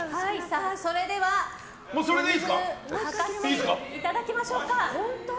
それでは量っていただきましょうか。